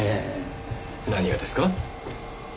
何がですか？